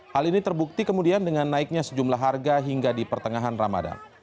hal ini terbukti kemudian dengan naiknya sejumlah harga hingga di pertengahan ramadan